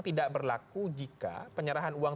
tidak berlaku jika penyerahan uang